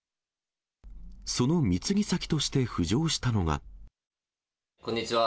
その貢ぎ先として浮上したのこんにちは。